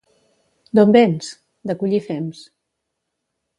—D'on vens? —De collir fems.